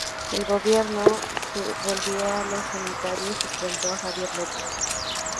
El gobierno volvió a los unitarios, y pronto a Javier López.